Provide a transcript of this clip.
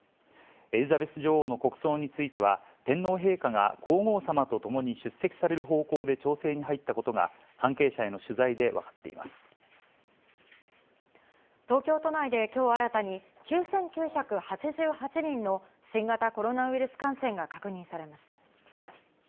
エリザベス女王の国葬については、天皇陛下が皇后さまと共に出席される方向で調整に入ったことが、東京都内で、きょう新たに、９９８８人の新型コロナウイルス感染が確認されました。